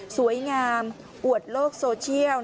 สวยงามอวดโลกโซเชียล